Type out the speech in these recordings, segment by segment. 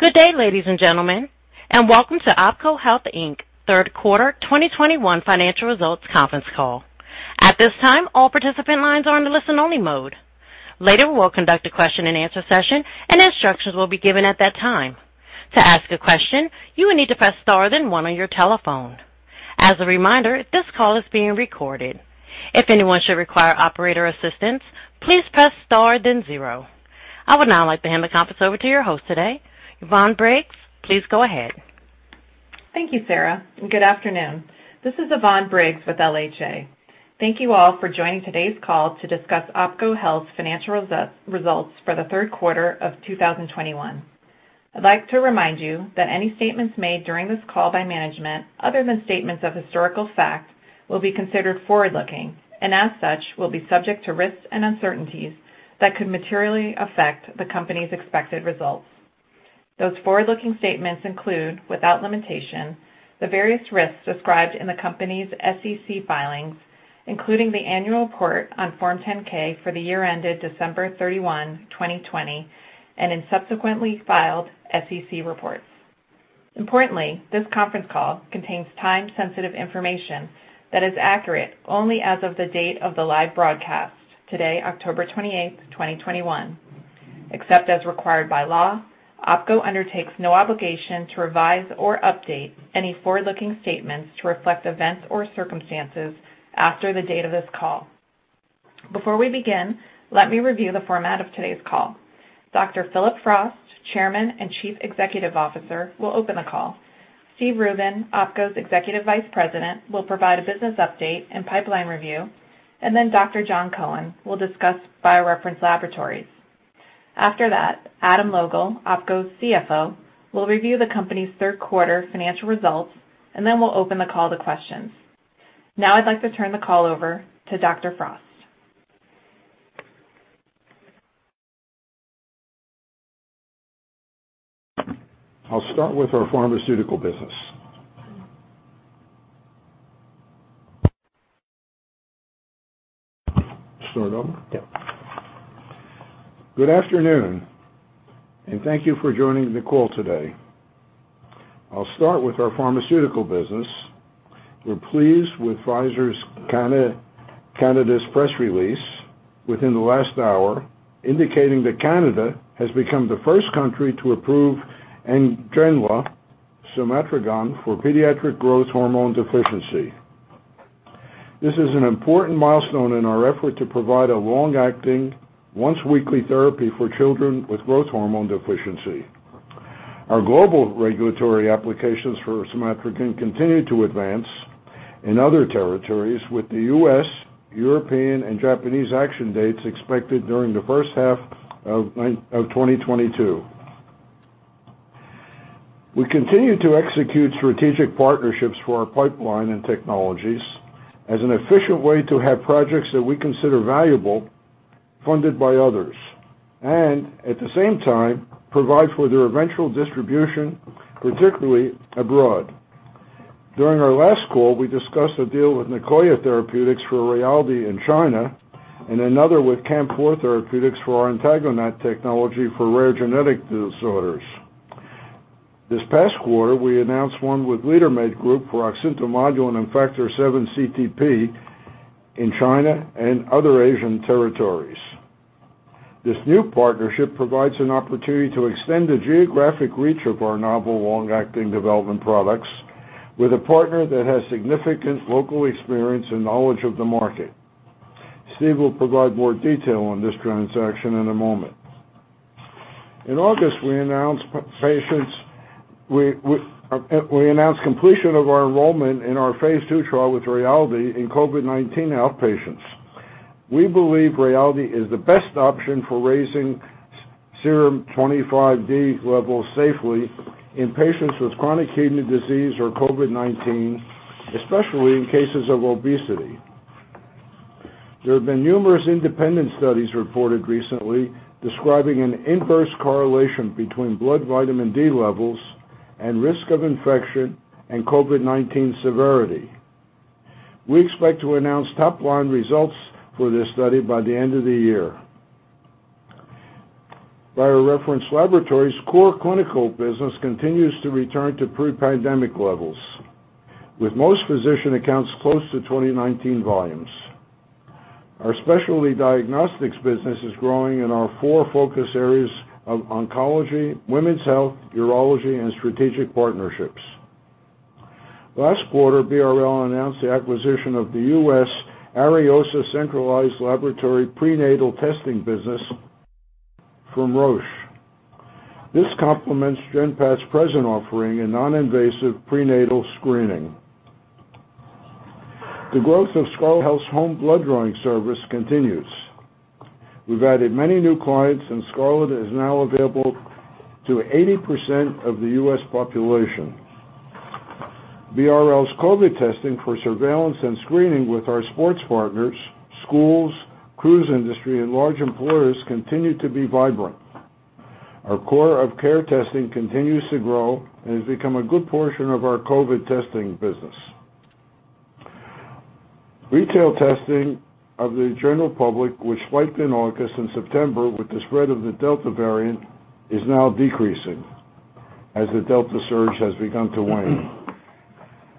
Good day, ladies and gentlemen, and welcome to OPKO Health, Inc. Third quarter 2021 financial results conference call. At this time, all participant lines are in listen-only mode. Later, we'll conduct a Q&A session, and instructions will be given at that time. To ask a question, you will need to press star, then one on your telephone. As a reminder, this call is being recorded. If anyone should require operator assistance, please press star, then zero. I would now like to hand the conference over to your host today, Yvonne Briggs. Please go ahead. Thank you, Sarah, and good afternoon. This is Yvonne Briggs with LHA. Thank you all for joining today's call to discuss OPKO Health's financial results for the third quarter of 2021. I'd like to remind you that any statements made during this call by management, other than statements of historical fact, will be considered forward-looking and, as such, will be subject to risks and uncertainties that could materially affect the company's expected results. Those forward-looking statements include, without limitation, the various risks described in the company's SEC filings, including the annual report on Form 10-K for the year ended December 31, 2020, and in subsequently filed SEC reports. Importantly, this conference call contains time-sensitive information that is accurate only as of the date of the live broadcast, today, October 28th, 2021. Except as required by law, OPKO undertakes no obligation to revise or update any forward-looking statements to reflect events or circumstances after the date of this call. Before we begin, let me review the format of today's call. Dr. Phillip Frost, Chairman and Chief Executive Officer, will open the call. Steve Rubin, OPKO's Executive Vice President, will provide a business update and pipeline review, and then Dr. Jon Cohen will discuss BioReference Laboratories. After that, Adam Logal, OPKO's CFO, will review the company's third quarter financial results, and then we'll open the call to questions. Now I'd like to turn the call over to Dr. Frost. I'll start with our pharmaceutical business. Yep. Good afternoon, and thank you for joining the call today. I'll start with our pharmaceutical business. We're pleased with Pfizer's Canada's press release within the last hour, indicating that Canada has become the first country to approve Ngenla, somatrogon, for pediatric growth hormone deficiency. This is an important milestone in our effort to provide a long-acting, once-weekly therapy for children with growth hormone deficiency. Our global regulatory applications for somatrogon continue to advance in other territories, with the U.S., European, and Japanese action dates expected during the first half of 2022. We continue to execute strategic partnerships for our pipeline and technologies as an efficient way to have projects that we consider valuable funded by others and, at the same time, provide for their eventual distribution, particularly abroad. During our last call, we discussed a deal with Nicoya Therapeutics for Rayaldee in China and another with CAMP4 Therapeutics for our AntagoNAT technology for rare genetic disorders. This past quarter, we announced one with LeaderMed Group for oxyntomodulin and Factor VIIa-CTP in China and other Asian territories. This new partnership provides an opportunity to extend the geographic reach of our novel long-acting development products with a partner that has significant local experience and knowledge of the market. Steve will provide more detail on this transaction in a moment. In August, we announced completion of our enrollment in our phase II trial with Rayaldee in COVID-19 outpatients. We believe Rayaldee is the best option for raising serum 25D levels safely in patients with chronic kidney disease or COVID-19, especially in cases of obesity. There have been numerous independent studies reported recently describing an inverse correlation between blood vitamin D levels and risk of infection and COVID-19 severity. We expect to announce top-line results for this study by the end of the year. BioReference Laboratories' core clinical business continues to return to pre-pandemic levels, with most physician accounts close to 2019 volumes. Our specialty diagnostics business is growing in our four focus areas of oncology, women's health, urology, and strategic partnerships. Last quarter, BRL announced the acquisition of the U.S. Ariosa centralized laboratory prenatal testing business from Roche. This complements GenPath's present offering in non-invasive prenatal screening. The growth of Scarlet Health's home blood drawing service continues. We've added many new clients, and Scarlet is now available to 80% of the U.S. population. BRL's COVID testing for surveillance and screening with our sports partners, schools, cruise industry, and large employers continue to be vibrant. Our core of care testing continues to grow and has become a good portion of our COVID testing business. Retail testing of the general public, which spiked in August and September with the spread of the Delta variant, is now decreasing as the Delta surge has begun to wane.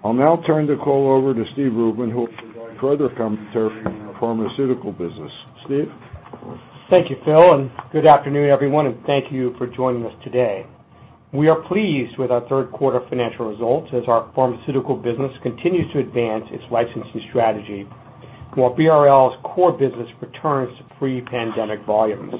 I'll now turn the call over to Steve Rubin, who will provide further commentary on our pharmaceutical business. Steve? Thank you, Phil, and good afternoon, everyone, and thank you for joining us today. We are pleased with our third quarter financial results as our pharmaceutical business continues to advance its licensing strategy, while BRL's core business returns to pre-pandemic volumes.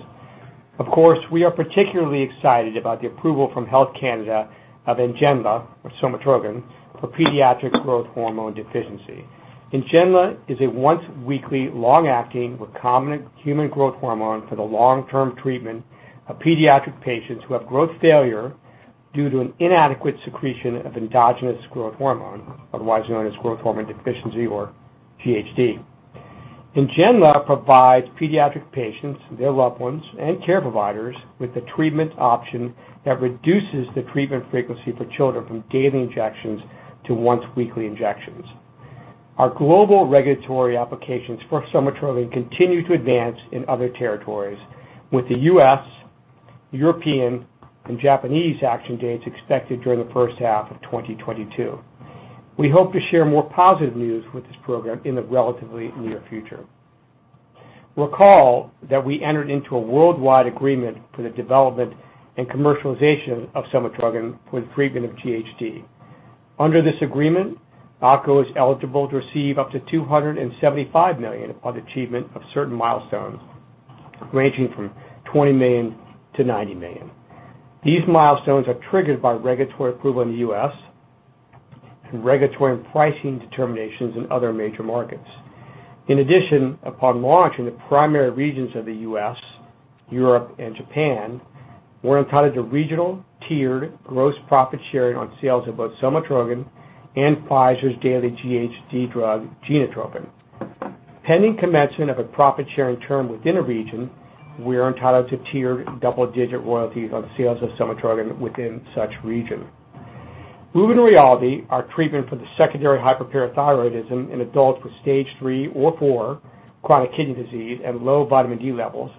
Of course, we are particularly excited about the approval from Health Canada of Ngenla, or somatrogon, for pediatric growth hormone deficiency. Ngenla is a once-weekly, long-acting recombinant human growth hormone for the long-term treatment of pediatric patients who have growth failure due to an inadequate secretion of endogenous growth hormone, otherwise known as growth hormone deficiency or GHD. Ngenla provides pediatric patients, their loved ones, and care providers with a treatment option that reduces the treatment frequency for children from daily injections to once-weekly injections. Our global regulatory applications for somatrogon continue to advance in other territories, with the U.S., European, and Japanese action dates expected during the first half of 2022. We hope to share more positive news with this program in the relatively near future. Recall that we entered into a worldwide agreement for the development and commercialization of somatrogon for the treatment of GHD. Under this agreement, OPKO is eligible to receive up to $275 million upon achievement of certain milestones, ranging from $20 million-$90 million. These milestones are triggered by regulatory approval in the U.S. and regulatory and pricing determinations in other major markets. In addition, upon launch in the primary regions of the U.S., Europe, and Japan, we're entitled to regional tiered gross profit sharing on sales of both somatrogon and Pfizer's daily GHD drug, Genotropin. Pending commencement of a profit-sharing term within a region, we are entitled to tiered double-digit royalties on sales of somatropin within such region. Moving to Rayaldee, our treatment for the secondary hyperparathyroidism in adults with stage 3 or 4 chronic kidney disease and low vitamin D levels,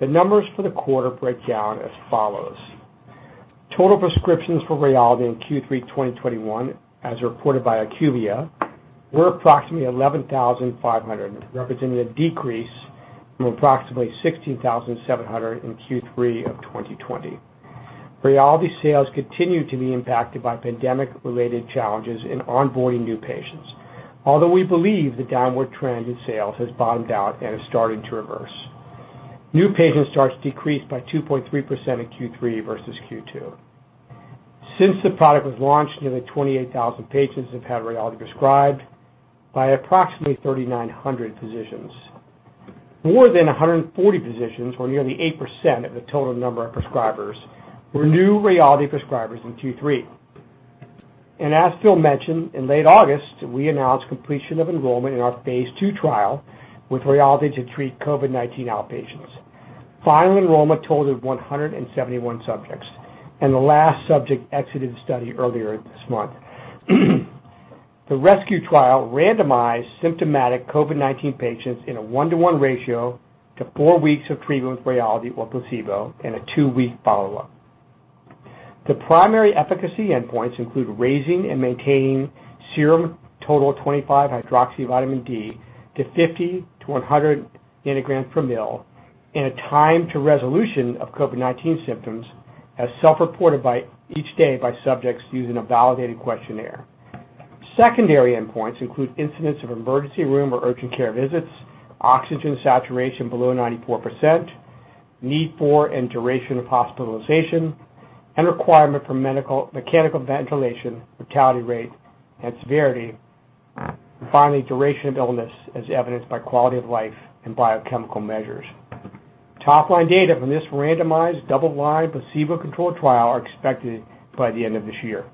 the numbers for the quarter break down as follows. Total prescriptions for Rayaldee in Q3 2021, as reported by IQVIA, were approximately 11,500, representing a decrease from approximately 16,700 in Q3 of 2020. Rayaldee sales continue to be impacted by pandemic-related challenges in onboarding new patients, although we believe the downward trend in sales has bottomed out and is starting to reverse. New patient starts decreased by 2.3% in Q3 versus Q2. Since the product was launched, nearly 28,000 patients have had Rayaldee prescribed by approximately 3,900 physicians. More than 140 physicians, or nearly 8% of the total number of prescribers, were new Rayaldee prescribers in Q3. As Phil mentioned, in late August, we announced completion of enrollment in our phase II trial with Rayaldee to treat COVID-19 outpatients. Final enrollment totaled 171 subjects, and the last subject exited the study earlier this month. The REsCue trial randomized symptomatic COVID-19 patients in a 1-to-1 ratio to four weeks of treatment with Rayaldee or placebo and a two-week follow-up. The primary efficacy endpoints include raising and maintaining serum total 25-hydroxyvitamin D to 50-100 ng/mL and time to resolution of COVID-19 symptoms as self-reported each day by subjects using a validated questionnaire. Secondary endpoints include incidents of emergency room or urgent care visits, oxygen saturation below 94%, need for and duration of hospitalization, and requirement for mechanical ventilation, fatality rate, and severity. Finally, duration of illness as evidenced by quality of life and biochemical measures. Top-line data from this randomized double-blind placebo-controlled trial are expected by the end of this year.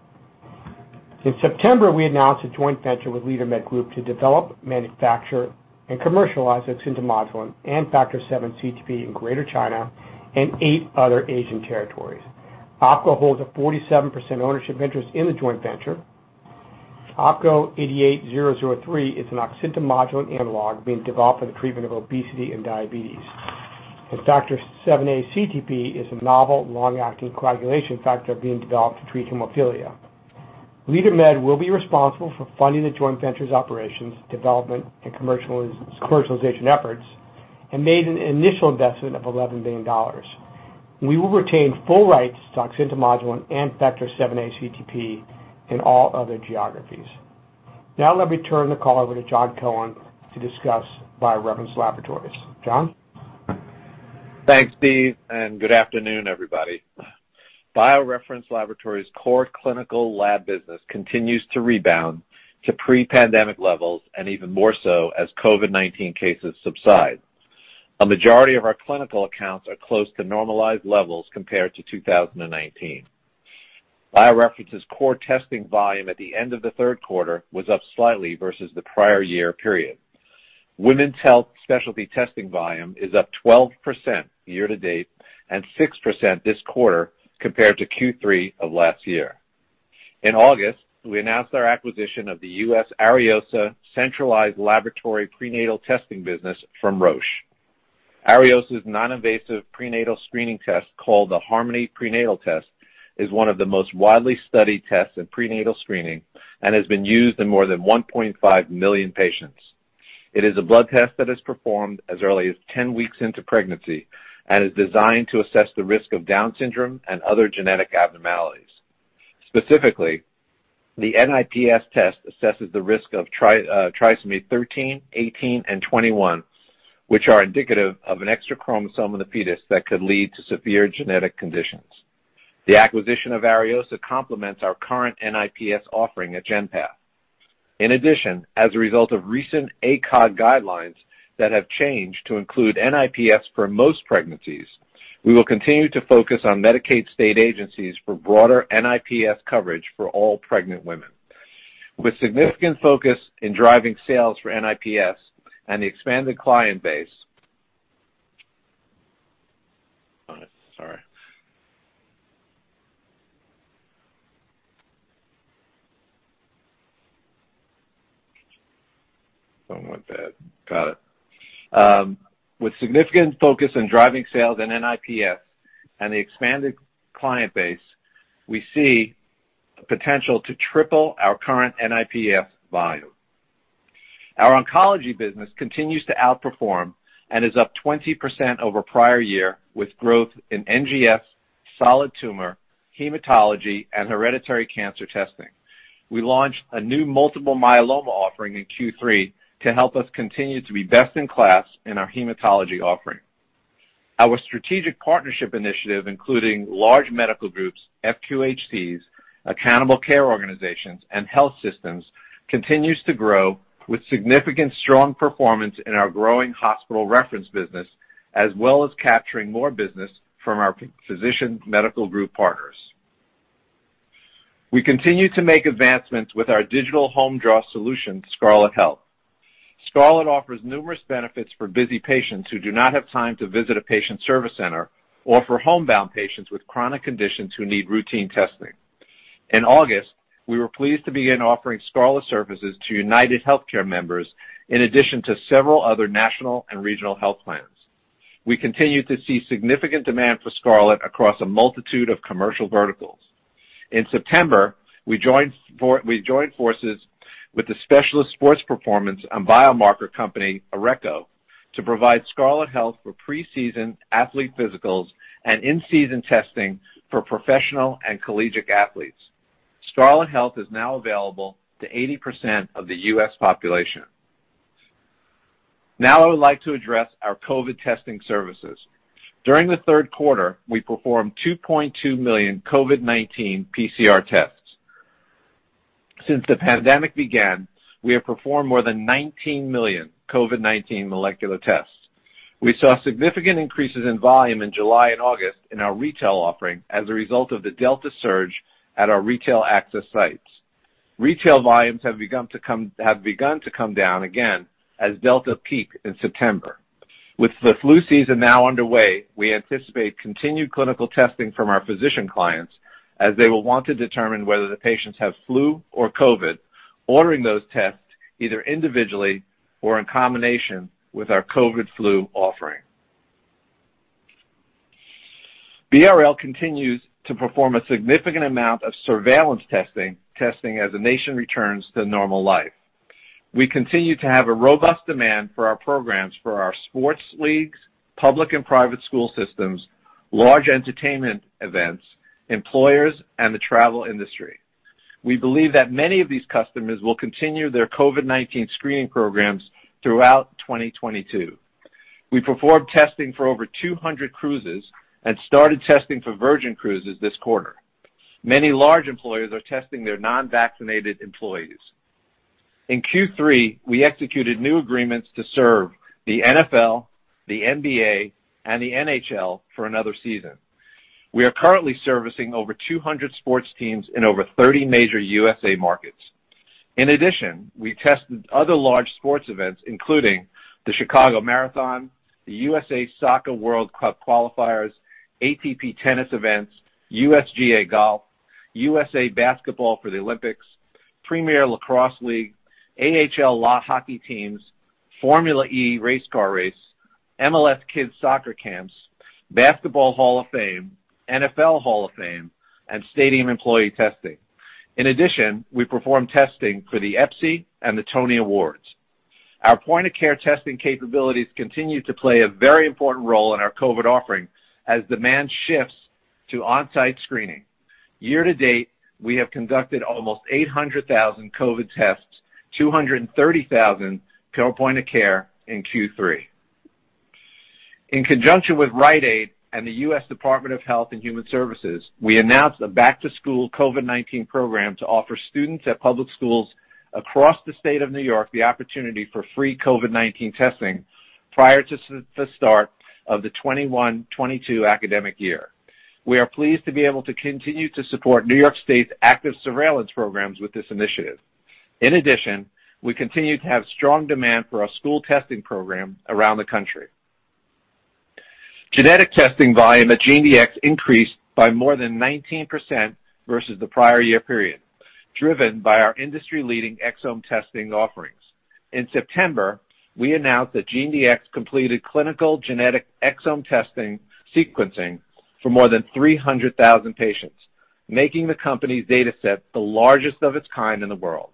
In September, we announced a joint venture with LeaderMed Group to develop, manufacture, and commercialize oxyntomodulin and Factor VIIa-CTP in Greater China and eight other Asian territories. OPKO holds a 47% ownership interest in the joint venture. OPK-88003 is an oxyntomodulin analog being developed for the treatment of obesity and diabetes. Factor VIIa-CTP is a novel long-acting coagulation factor being developed to treat hemophilia. LeaderMed will be responsible for funding the joint venture's operations, development, and commercialization efforts and made an initial investment of $11 billion. We will retain full rights to oxyntomodulin and Factor VIIa-CTP in all other geographies. Now let me turn the call over to Jon Cohen to discuss BioReference Laboratories. Jon? Thanks, Steve, and good afternoon, everybody. BioReference Laboratories core clinical lab business continues to rebound to pre-pandemic levels and even more so as COVID-19 cases subside. A majority of our clinical accounts are close to normalized levels compared to 2019. BioReference's core testing volume at the end of the third quarter was up slightly versus the prior year period. Women's health specialty testing volume is up 12% year to date and 6% this quarter compared to Q3 of last year. In August, we announced our acquisition of the U.S. Ariosa centralized laboratory prenatal testing business from Roche. Ariosa's non-invasive prenatal screening test, called the Harmony prenatal test, is one of the most widely studied tests in prenatal screening and has been used in more than 1.5 million patients. It is a blood test that is performed as early as 10 weeks into pregnancy and is designed to assess the risk of Down syndrome and other genetic abnormalities. Specifically, the NIPS test assesses the risk of trisomy 13, 18, and 21, which are indicative of an extra chromosome in the fetus that could lead to severe genetic conditions. The acquisition of Ariosa complements our current NIPS offering at GenPath. In addition, as a result of recent ACOG guidelines that have changed to include NIPS for most pregnancies, we will continue to focus on Medicaid state agencies for broader NIPS coverage for all pregnant women. With significant focus in driving sales for NIPS and the expanded client base. With significant focus in driving sales in NIPS and the expanded client base, we see potential to triple our current NIPS volume. Our oncology business continues to outperform and is up 20% over prior year with growth in NGS, solid tumor, hematology, and hereditary cancer testing. We launched a new multiple myeloma offering in Q3 to help us continue to be best in class in our hematology offering. Our strategic partnership initiative, including large medical groups, FQHCs, Accountable Care Organizations, and health systems, continues to grow with significant strong performance in our growing hospital reference business, as well as capturing more business from our physician medical group partners. We continue to make advancements with our digital home draw solution, Scarlet Health. Scarlet offers numerous benefits for busy patients who do not have time to visit a patient service center or for homebound patients with chronic conditions who need routine testing. In August, we were pleased to begin offering Scarlet services to UnitedHealthcare members in addition to several other national and regional health plans. We continue to see significant demand for Scarlet across a multitude of commercial verticals. In September, we joined forces with the specialist sports performance and biomarker company Orreco to provide Scarlet Health for preseason athlete physicals and in-season testing for professional and collegiate athletes. Scarlet Health is now available to 80% of the U.S. population. Now I would like to address our COVID testing services. During the third quarter, we performed 2.2 million COVID-19 PCR tests. Since the pandemic began, we have performed more than 19 million COVID-19 molecular tests. We saw significant increases in volume in July and August in our retail offering as a result of the Delta surge at our retail access sites. Retail volumes have begun to come down again as Delta peaked in September. With the flu season now underway, we anticipate continued clinical testing from our physician clients as they will want to determine whether the patients have flu or COVID, ordering those tests either individually or in combination with our COVID flu offering. BRL continues to perform a significant amount of surveillance testing as the nation returns to normal life. We continue to have a robust demand for our programs for our sports leagues, public and private school systems, large entertainment events, employers, and the travel industry. We believe that many of these customers will continue their COVID-19 screening programs throughout 2022. We performed testing for over 200 cruises and started testing for Virgin Cruises this quarter. Many large employers are testing their non-vaccinated employees. In Q3, we executed new agreements to serve the NFL, the NBA, and the NHL for another season. We are currently servicing over 200 sports teams in over 30 major USA markets. In addition, we tested other large sports events, including the Chicago Marathon, the USA Soccer World Cup Qualifiers, ATP tennis events, USGA Golf, USA Basketball for the Olympics, Premier Lacrosse League, AHL hockey teams, Formula E race car race, MLS kids soccer camps, Basketball Hall of Fame, NFL Hall of Fame, and stadium employee testing. In addition, we performed testing for the Emmys and the Tony Awards. Our point of care testing capabilities continue to play a very important role in our COVID offering as demand shifts to on-site screening. Year to date, we have conducted almost 800,000 COVID tests, 230,000 point of care in Q3. In conjunction with Rite Aid and the US Department of Health and Human Services, we announced a back-to-school COVID-19 program to offer students at public schools across the state of New York the opportunity for free COVID-19 testing prior to the start of the 2021-2022 academic year. We are pleased to be able to continue to support New York State's active surveillance programs with this initiative. In addition, we continue to have strong demand for our school testing program around the country. Genetic testing volume at GeneDx increased by more than 19% versus the prior year period, driven by our industry-leading exome testing offerings. In September, we announced that GeneDx completed clinical genetic exome sequencing for more than 300,000 patients, making the company's data set the largest of its kind in the world.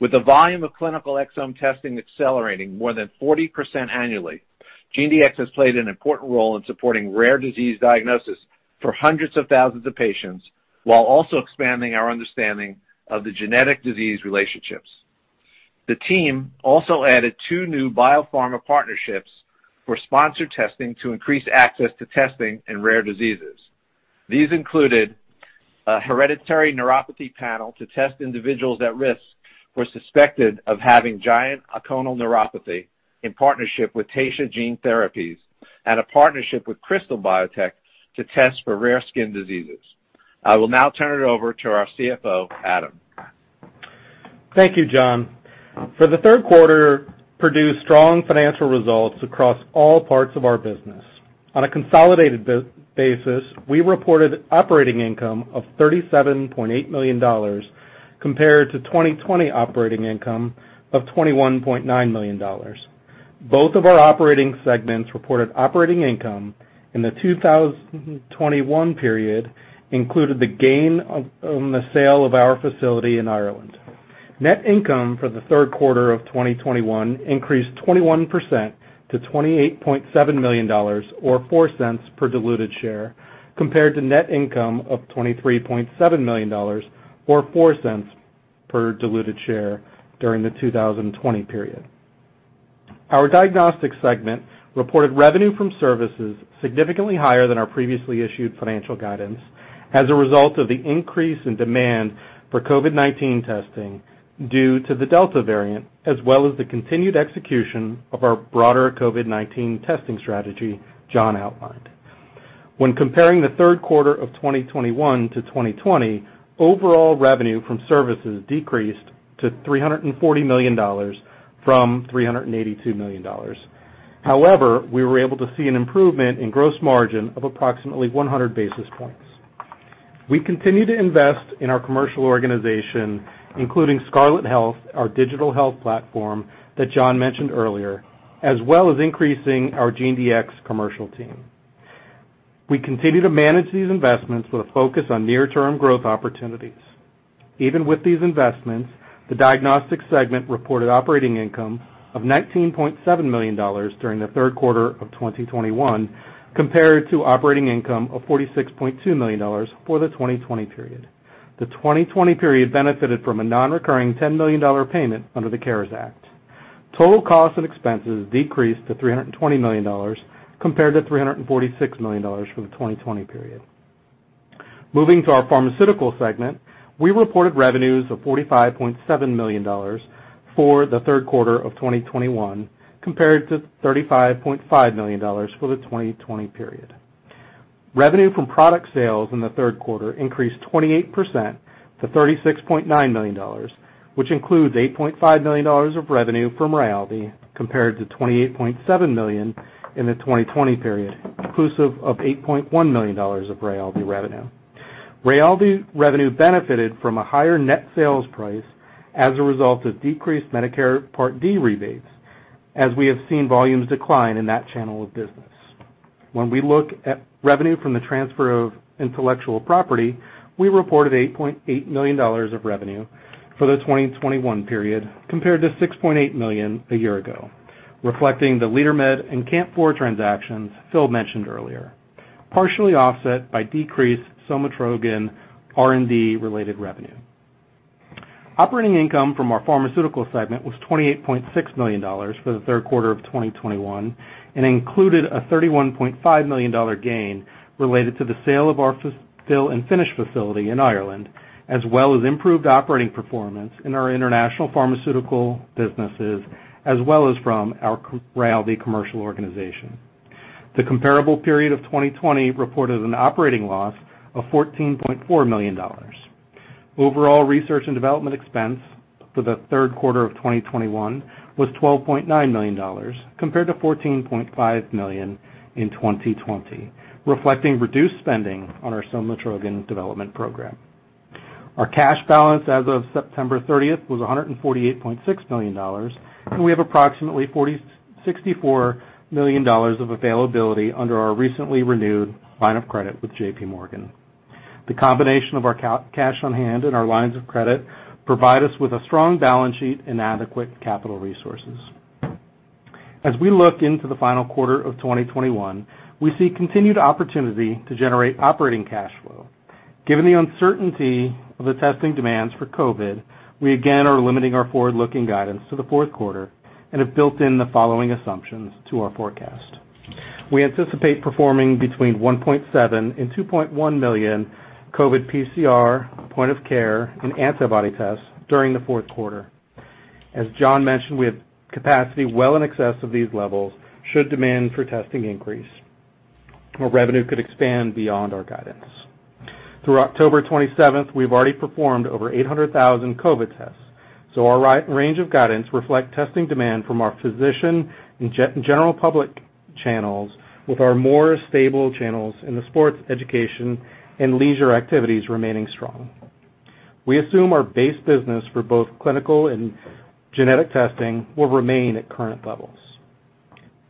With the volume of clinical exome testing accelerating more than 40% annually, GeneDx has played an important role in supporting rare disease diagnosis for hundreds of thousands of patients, while also expanding our understanding of the genetic disease relationships. The team also added two new biopharma partnerships for sponsored testing to increase access to testing in rare diseases. These included a hereditary neuropathy panel to test individuals at risk or suspected of having giant axonal neuropathy in partnership with Taysha Gene Therapies and a partnership with Krystal Biotech to test for rare skin diseases. I will now turn it over to our CFO, Adam. Thank you, Jon. For the third quarter, we produced strong financial results across all parts of our business. On a consolidated basis, we reported operating income of $37.8 million compared to 2020 operating income of $21.9 million. Both of our operating segments reported operating income, and the 2021 period included the gain of the sale of our facility in Ireland. Net income for the third quarter of 2021 increased 21% to $28.7 million or $0.04 per diluted share, compared to net income of $23.7 million or $0.04 per diluted share during the 2020 period. Our diagnostic segment reported revenue from services significantly higher than our previously issued financial guidance as a result of the increase in demand for COVID-19 testing due to the Delta variant, as well as the continued execution of our broader COVID-19 testing strategy Jon outlined. When comparing the third quarter of 2021 to 2020, overall revenue from services decreased to $340 million from $382 million. However, we were able to see an improvement in gross margin of approximately 100 basis points. We continue to invest in our commercial organization, including Scarlet Health, our digital health platform that Jon mentioned earlier, as well as increasing our GeneDx commercial team. We continue to manage these investments with a focus on near-term growth opportunities. Even with these investments, the diagnostics segment reported operating income of $19.7 million during the third quarter of 2021 compared to operating income of $46.2 million for the 2020 period. The 2020 period benefited from a non-recurring $10 million payment under the CARES Act. Total costs and expenses decreased to $320 million compared to $346 million for the 2020 period. Moving to our pharmaceutical segment, we reported revenues of $45.7 million for the third quarter of 2021 compared to $35.5 million for the 2020 period. Revenue from product sales in the third quarter increased 28% to $36.9 million, which includes $8.5 million of revenue from Rayaldee compared to $28.7 million in the 2020 period, inclusive of $8.1 million of Rayaldee revenue. Rayaldee revenue benefited from a higher net sales price as a result of decreased Medicare Part D rebates, as we have seen volumes decline in that channel of business. When we look at revenue from the transfer of intellectual property, we reported $8.8 million of revenue for the 2021 period, compared to $6.8 million a year ago, reflecting the LeaderMed and CAMP4 transactions Phil mentioned earlier, partially offset by decreased somatrogon R&D-related revenue. Operating income from our pharmaceutical segment was $28.6 million for the third quarter of 2021 and included a $31.5 million gain related to the sale of our fill-and-finish facility in Ireland, as well as improved operating performance in our international pharmaceutical businesses, as well as from our Rayaldee commercial organization. The comparable period of 2020 reported an operating loss of $14.4 million. Overall research and development expense for the third quarter of 2021 was $12.9 million, compared to $14.5 million in 2020, reflecting reduced spending on our somatrogon development program. Our cash balance as of September 30 was $148.6 million, and we have approximately $64 million of availability under our recently renewed line of credit with JPMorgan. The combination of our cash on hand and our lines of credit provide us with a strong balance sheet and adequate capital resources. As we look into the final quarter of 2021, we see continued opportunity to generate operating cash flow. Given the uncertainty of the testing demands for COVID, we again are limiting our forward-looking guidance to the fourth quarter and have built in the following assumptions to our forecast. We anticipate performing between 1.7 million and 2.1 million COVID PCR, point of care, and antibody tests during the fourth quarter. As Jon mentioned, we have capacity well in excess of these levels should demand for testing increase, or revenue could expand beyond our guidance. Through October 27th, we've already performed over 800,000 COVID tests. Our range of guidance reflects testing demand from our physician and general public channels with our more stable channels in the sports, education, and leisure activities remaining strong. We assume our base business for both clinical and genetic testing will remain at current levels.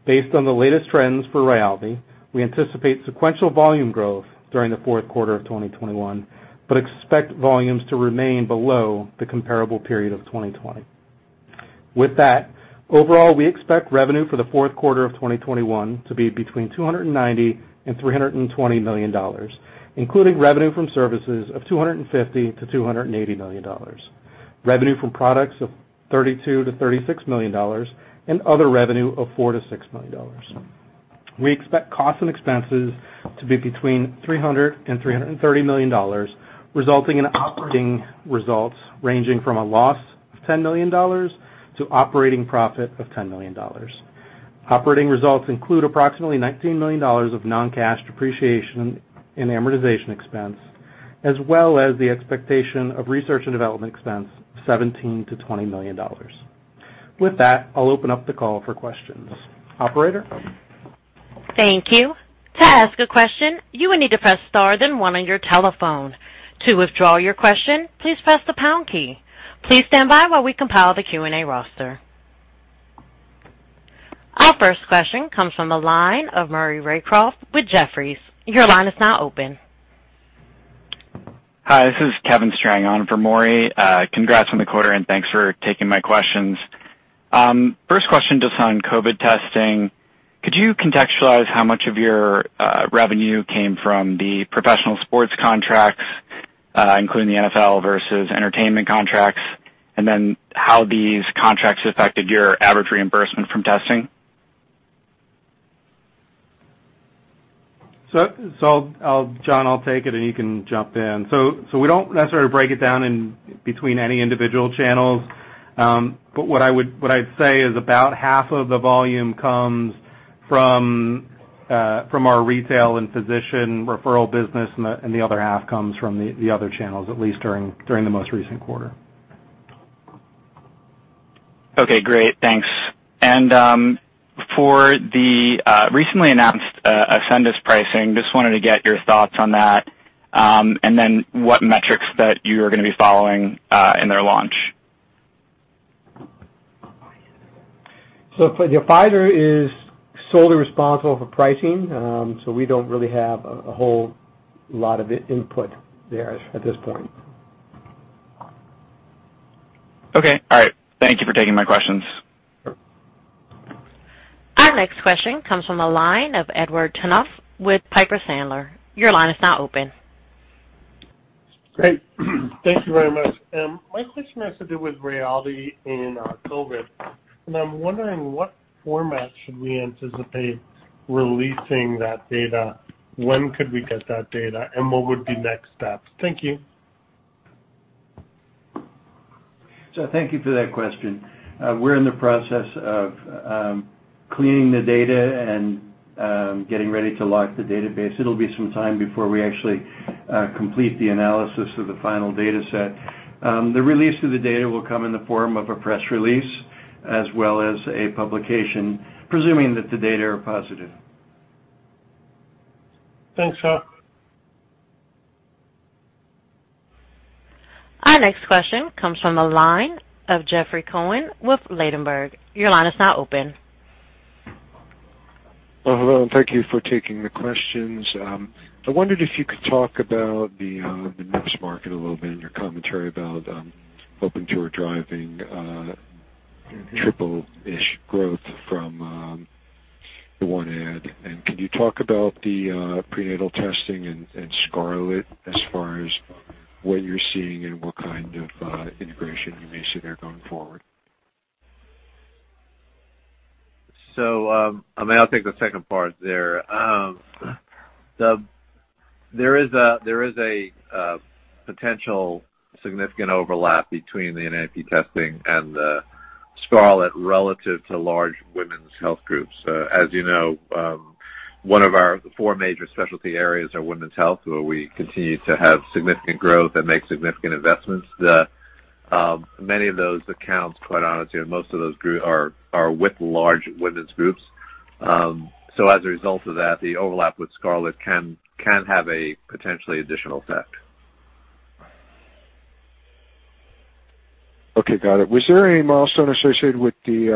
Based on the latest trends for Rayaldee, we anticipate sequential volume growth during the fourth quarter of 2021, but expect volumes to remain below the comparable period of 2020. With that, overall, we expect revenue for the fourth quarter of 2021 to be between $290 and $320 million, including revenue from services of $250-$280 million, revenue from products of $32-$36 million, and other revenue of $4-$6 million. We expect costs and expenses to be between $300 million and $330 million, resulting in operating results ranging from a loss of $10 million to operating profit of $10 million. Operating results include approximately $19 million of non-cash depreciation and amortization expense, as well as the expectation of research and development expense, $17 million-$20 million. With that, I'll open up the call for questions. Operator? Thank you. To ask a question, you will need to press star then 1 on your telephone. To withdraw your question, please press the pound key. Please stand by while we compile the Q&A roster. Our first question comes from the line of Maury Raycroft with Jefferies. Your line is now open. Hi, this is Kevin Strang on for Maury Raycroft. Congrats on the quarter, and thanks for taking my questions. First question, just on COVID testing. Could you contextualize how much of your revenue came from the professional sports contracts, including the NFL versus entertainment contracts? And then how these contracts affected your average reimbursement from testing. I'll take it, and you can jump in. So, we don't necessarily break it down in between any individual channels. But what I'd say is about half of the volume comes from our retail and physician referral business, and the other half comes from the other channels, at least during the most recent quarter. Okay, great. Thanks. For the recently announced Ascendis pricing, just wanted to get your thoughts on that, and then what metrics that you're gonna be following in their launch. Pfizer is solely responsible for pricing, so we don't really have a whole lot of input there at this point. Okay. All right. Thank you for taking my questions. Our next question comes from the line of Edward Tenthoff with Piper Sandler. Your line is now open. Great. Thank you very much. My question has to do with Rayaldee in COVID. I'm wondering what format should we anticipate releasing that data? When could we get that data? What would be next steps? Thank you. Thank you for that question. We're in the process of cleaning the data and getting ready to lock the database. It'll be some time before we actually complete the analysis of the final data set. The release of the data will come in the form of a press release as well as a publication, presuming that the data are positive. Thanks, sir. Our next question comes from the line of Jeffrey Cohen with Ladenburg. Your line is now open. Well, hello, and thank you for taking the questions. I wondered if you could talk about the NIPS market a little bit in your commentary about opportunity driving triple-ish growth from the 1Q. Can you talk about the prenatal testing and Scarlet as far as what you're seeing and what kind of integration you may see there going forward? I mean, I'll take the second part there. There is a potential significant overlap between the NIPS testing and the Scarlet relative to large women's health groups. As you know, one of our four major specialty areas are women's health, where we continue to have significant growth and make significant investments. Many of those accounts, quite honestly, most of those groups are with large women's groups. As a result of that, the overlap with Scarlet can have a potentially additional effect. Okay. Got it. Was there any milestone associated with the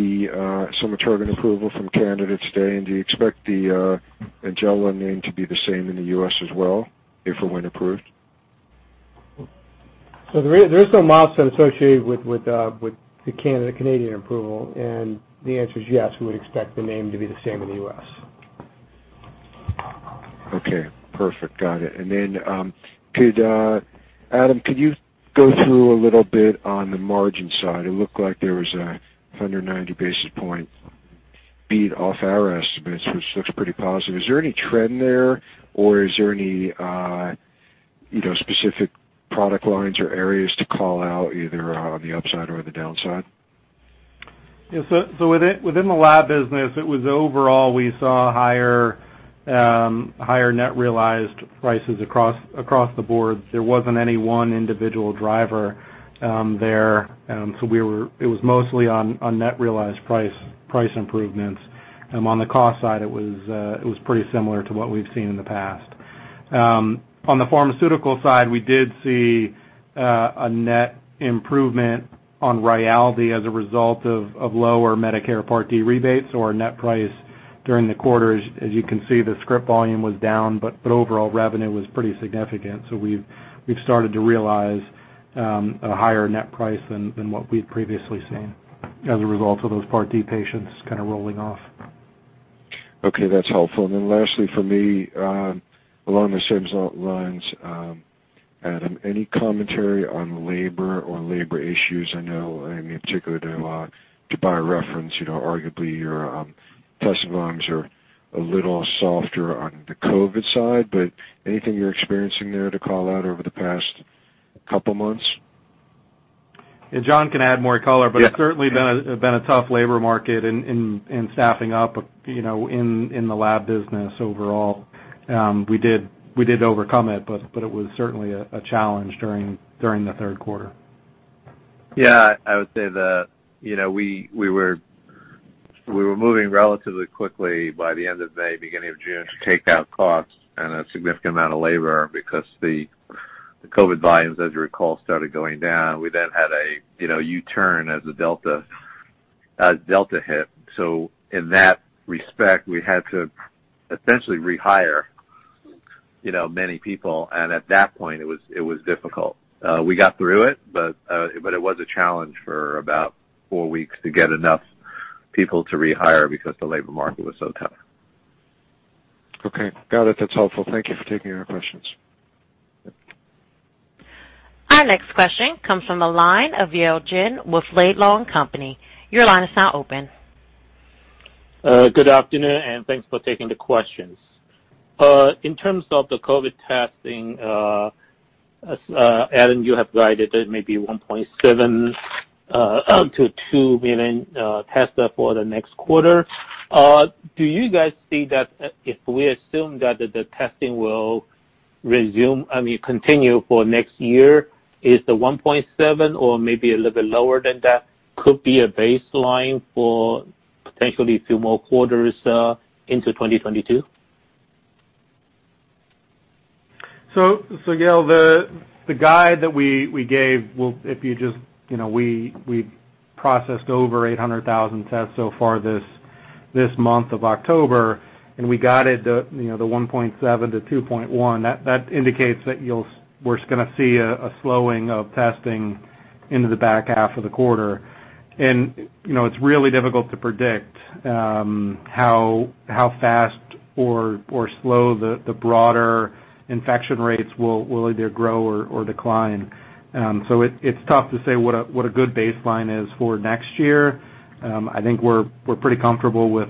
somatrogon approval from Canada today? And do you expect the Ngenla name to be the same in the U.S. as well if or when approved? There is no milestone associated with the Canadian approval, and the answer is yes, we would expect the name to be the same in the U.S. Okay. Perfect. Got it. Adam, could you go through a little bit on the margin side? It looked like there was 190 basis point beat off our estimates, which looks pretty positive. Is there any trend there, or is there any, you know, specific product lines or areas to call out either on the upside or the downside? Within the lab business, it was overall we saw higher net realized prices across the board. There wasn't any one individual driver there. It was mostly on net realized price improvements. On the cost side, it was pretty similar to what we've seen in the past. On the pharmaceutical side, we did see a net improvement on Rayaldee as a result of lower Medicare Part D rebates or net price during the quarter. As you can see, the script volume was down, but the overall revenue was pretty significant. We've started to realize a higher net price than what we'd previously seen as a result of those Part D patients kinda rolling off. Okay, that's helpful. Then lastly for me, along the same lines, Adam, any commentary on labor or labor issues? I know, I mean, particularly to BioReference, you know, arguably your test volumes are a little softer on the COVID side, but anything you're experiencing there to call out over the past couple months? Yeah, Jon can add more color. Yeah. It's certainly been a tough labor market in staffing up, you know, in the lab business overall. We did overcome it, but it was certainly a challenge during the third quarter. Yeah. I would say that, you know, we were moving relatively quickly by the end of May, beginning of June, to take out costs and a significant amount of labor because the COVID volumes, as you recall, started going down. We then had a, you know, U-turn as the Delta hit. In that respect, we had to essentially rehire, you know, many people. At that point it was difficult. We got through it, but it was a challenge for about four weeks to get enough people to rehire because the labor market was so tough. Okay. Got it. That's helpful. Thank you for taking our questions. Our next question comes from the line of Yale Jen with Laidlaw & Company. Your line is now open. Good afternoon, and thanks for taking the questions. In terms of the COVID testing, Adam, you have guided that maybe 1.7 up to 2 million tests for the next quarter. Do you guys see that, if we assume that the testing will resume, I mean continue for next year, is the 1.7 or maybe a little bit lower than that could be a baseline for potentially a few more quarters into 2022? Yale, the guide that we gave will, if you just, you know, we processed over 800,000 tests so far this month of October, and we guided, you know, the 1.7-2.1, that indicates that we're gonna see a slowing of testing into the back half of the quarter. You know, it's really difficult to predict how fast or slow the broader infection rates will either grow or decline. It's tough to say what a good baseline is for next year. I think we're pretty comfortable with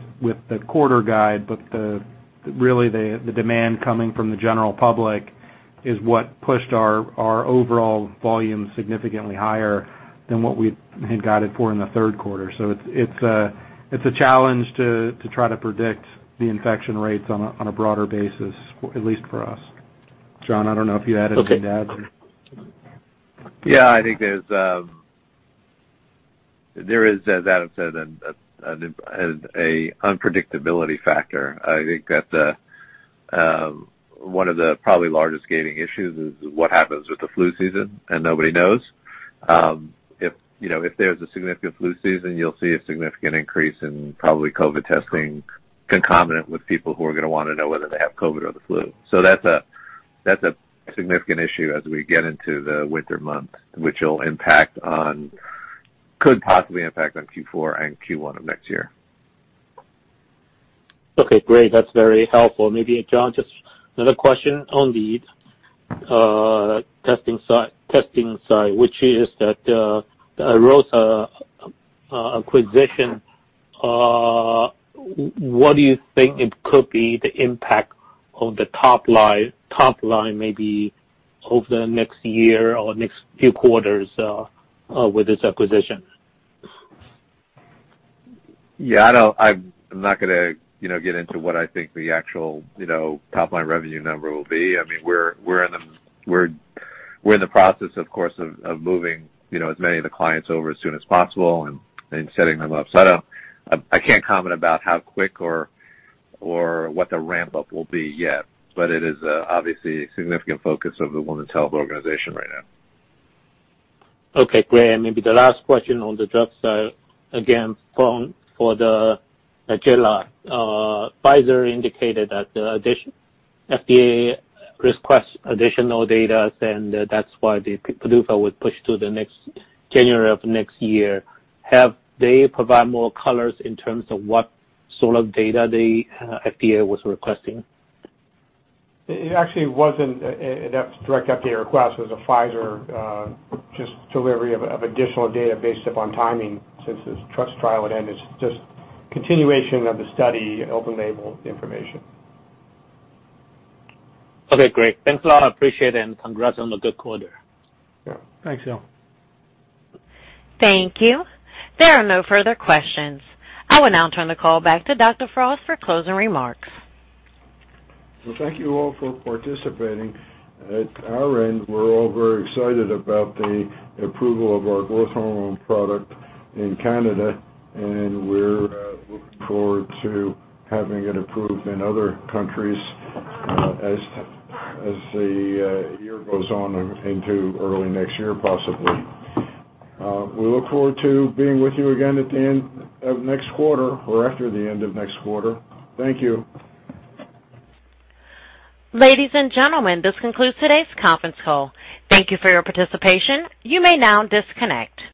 the quarter guide, but really the demand coming from the general public is what pushed our overall volume significantly higher than what we had guided for in the third quarter. It's a challenge to try to predict the infection rates on a broader basis, at least for us. Jon, I don't know if you had anything to add there. Yeah. I think there's, as Adam said, an unpredictability factor. I think that the one of the probably largest gating issues is what happens with the flu season, and nobody knows. If, you know, if there's a significant flu season, you'll see a significant increase in probably COVID testing concomitant with people who are gonna wanna know whether they have COVID or the flu. So that's a significant issue as we get into the winter months, which could possibly impact on Q4 and Q1 of next year. Okay, great. That's very helpful. Maybe, Jon, just another question on the testing side, which is that the Ariosa acquisition, what do you think it could be the impact on the top line, maybe over the next year or next few quarters with this acquisition? Yeah. I'm not gonna, you know, get into what I think the actual, you know, top line revenue number will be. I mean, we're in the process, of course, of moving, you know, as many of the clients over as soon as possible and setting them up. I can't comment about how quick or what the ramp-up will be yet, but it is obviously a significant focus of the Women's Health organization right now. Okay, great. Maybe the last question on the drug side, again, for the Ngenla. Pfizer indicated that FDA requested additional data, and that's why the PDUFA was pushed to the next January of next year. Have they provided more color in terms of what sort of data the FDA was requesting? It actually wasn't a direct FDA request. It was Pfizer just delivery of additional data based upon timing since this phase III trial would end. It's just a continuation of the study, open-label information. Okay, great. Thanks a lot. I appreciate it and congrats on the good quarter. Yeah. Thanks, Yale. Thank you. There are no further questions. I will now turn the call back to Dr. Frost for closing remarks. Well, thank you all for participating. At our end, we're all very excited about the approval of our growth hormone product in Canada, and we're looking forward to having it approved in other countries, as the year goes on into early next year, possibly. We look forward to being with you again at the end of next quarter or after the end of next quarter. Thank you. Ladies and gentlemen, this concludes today's conference call. Thank you for your participation. You may now disconnect.